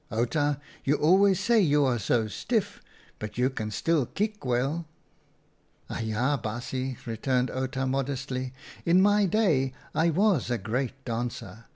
Outa, you always say you are so stiff, but you can still kick well." " Aja, baasje," returned Outa, modestly ;" in my day I was a great dancer.